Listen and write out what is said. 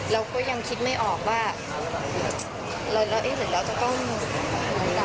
เราก็ยังคิดไม่ออกว่าหรือเราจะต้องกลายกลับ